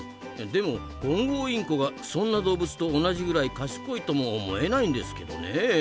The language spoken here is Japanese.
でもコンゴウインコがそんな動物と同じぐらい賢いとも思えないんですけどね。